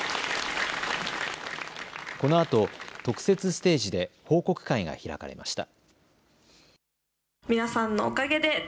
このあと特設ステージで報告会が開かれました。